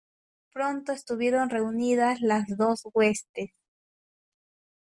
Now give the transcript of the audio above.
pronto estuvieron reunidas las dos huestes: